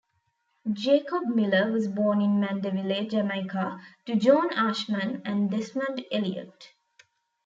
Jacob Miller was born in Mandeville, Jamaica to Joan Ashman and Desmond Elliot.